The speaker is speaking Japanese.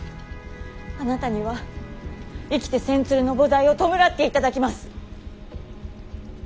あなたには生きて千鶴の菩提を弔っていただきます。